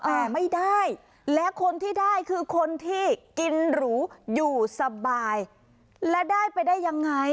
แต่ไม่ได้และคนที่ได้คือคนที่กินหรูอยู่สบายและได้ไปได้ยังไง